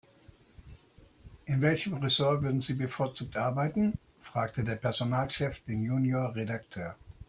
In welchem Ressort würden Sie bevorzugt arbeiten?, fragte der Personalchef den Junior-Redakteur.